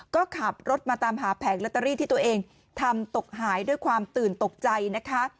ก็ขับรถมาตามหาแผงลอตเตอรี่ที่ตัวเองทำตกหายด้วยความตื่นตกใจนะคะ